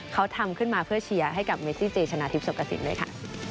เขาทำขึ้นมาเพื่อเชียร์ให้กับเมซี่เจชนะทิพย์สกสินด้วยค่ะ